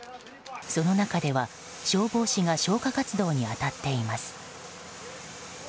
その中では消防士が消火活動に当たっています。